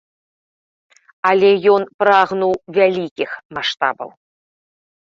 Але ён прагнуў вялікіх маштабаў.